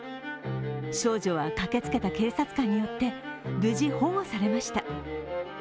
少女は、駆けつけた警察官によって無事保護されました。